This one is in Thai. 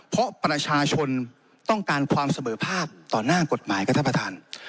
เพราะประชาชนต้องการความเสมอภาพต่อหน้ากฎหมาย